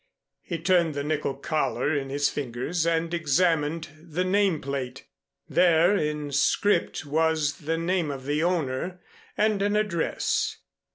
He turned the nickel collar in his fingers and examined the name plate. There in script was the name of the owner, and an address.